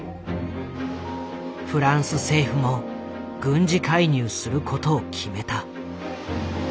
フランス政府も軍事介入することを決めた。